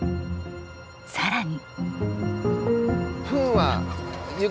更に。